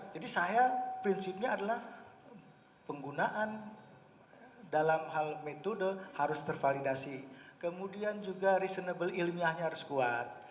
jadi saya prinsipnya adalah penggunaan dalam hal metode harus tervalidasi kemudian juga reasonable ilmiahnya harus kuat